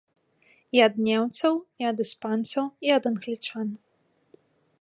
І ад немцаў, і ад іспанцаў, і ад англічан.